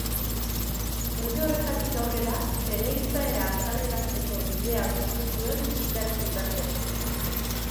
Une horretatik aurrera, bere izaera azalerazteko bidea aurkitu zuen musikaren bitartez.